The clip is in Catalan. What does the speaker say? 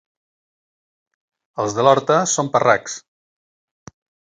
Els de l'Horta són parracs.